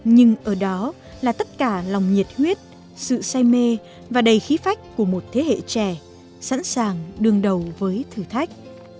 nhưng ở đó là tất cả lòng nhiệt huyết sự say mê và đầy khí phách của một thế hệ trẻ sẵn sàng đương đầu với thử thách